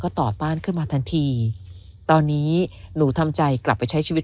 ต่อต้านขึ้นมาทันทีตอนนี้หนูทำใจกลับไปใช้ชีวิต